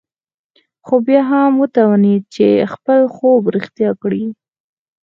خو بيا هم وتوانېد چې خپل خوب رښتيا کړي.